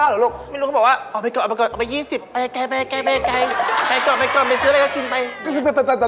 เหมือนจำน้ำพูดอ่ะ